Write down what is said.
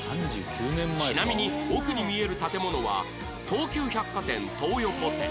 ちなみに奥に見える建物は東急百貨店東横店